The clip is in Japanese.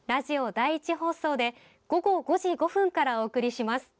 ラジオ第１放送で午後５時５分からお送りします。